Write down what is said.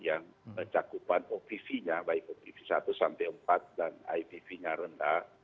yang pencakupan ovv nya baik ovv satu empat dan ivv nya rendah